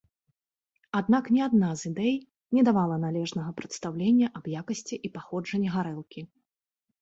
Аднак ні адна з ідэй не давала належнага прадстаўлення аб якасці і паходжанні гарэлкі.